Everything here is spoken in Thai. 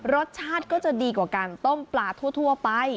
รสชาติก็จะดีกว่าการต้มปลาทั่วไป